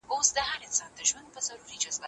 په پوهنتونونو کي یې معرفی کړئ.